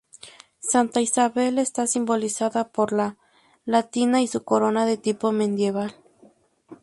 Santa Isabel está simbolizada por la I latina y su corona de tipo medieval.